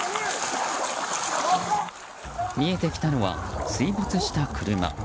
見えてきたのは、水没した車。